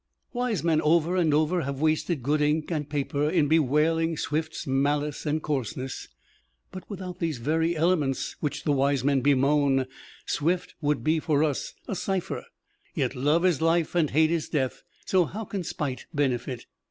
Wise men over and over have wasted good ink and paper in bewailing Swift's malice and coarseness. But without these very elements which the wise men bemoan, Swift would be for us a cipher. Yet love is life and hate is death, so how can spite benefit?